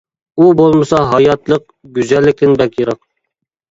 ئۇ بولمىسا ھاياتلىق، گۈزەللىكتىن بەك يىراق.